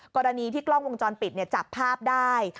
กรณีที่กล้องวงจรปิดจับภาพได้